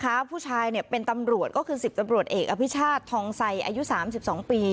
ผู้ชายเนี่ยเป็นตำรวจก็คือ๑๐ตำรวจเอกอภิชาติทองไซอายุ๓๒ปี